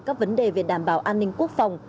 các vấn đề về đảm bảo an ninh quốc phòng